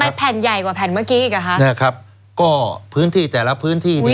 แผ่นใหญ่กว่าแผ่นเมื่อกี้อีกเหรอคะนะครับก็พื้นที่แต่ละพื้นที่นี้